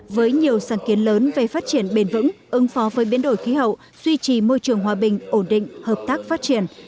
với nhiều sáng kiến lớn về phát triển bền vững ứng phó với biến đổi khí hậu duy trì môi trường hòa bình ổn định hợp tác phát triển